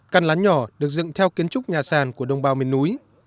căn lán nhỏ được dựng theo kiến trúc nhà sàn của đồng bào miền núi